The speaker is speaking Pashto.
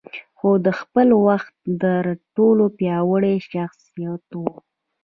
خو د خپل وخت تر ټولو پياوړی شخصيت و.